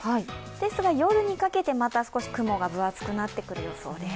夜にかけて、また少し雲が分厚くなってくる予想です。